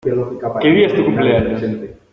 ¿Qué día es tu cumpleaños?